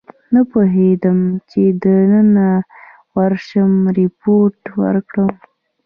نه پوهېدم چې دننه ورشم ریپورټ ورکړم.